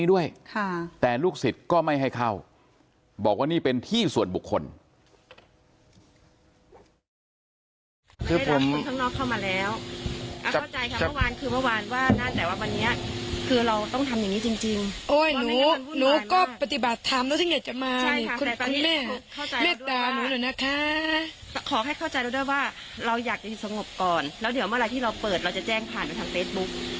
ว่าเราอยากจะอยู่สงบก่อนแล้วเดี๋ยวเมื่อที่เราเปิดเราจะแจ้งผ่านไปทางเฟซบุ๊ค